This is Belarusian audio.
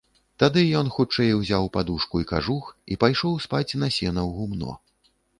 Тады ён хутчэй узяў падушку і кажух і пайшоў спаць на сена ў гумно.